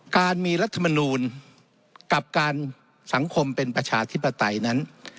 การมีรัฐมนูลกับการสังคมเป็นประชาธิปไตยนั้น